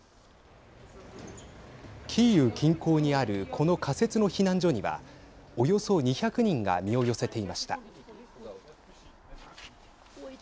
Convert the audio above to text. キーウ近郊にあるこの仮設の避難所にはおよそ２００人が身を寄せていました。